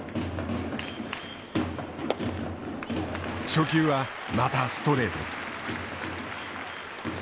初球はまたストレート。